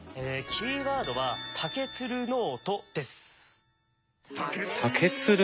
キーワードは「竹鶴ノート」です。